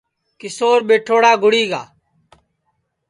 کیشور ٻیٹھوڑا گُڑی گا